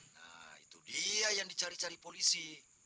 nah itu dia yang dicari cari polisi